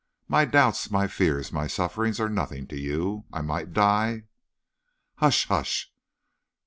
My doubts, my fears, my sufferings are nothing to you. I might die " "Hush! hush!